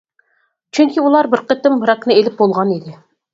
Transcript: چۈنكى ئۇلار بىر قېتىم راكنى ئىلىپ بولغان ئىدى.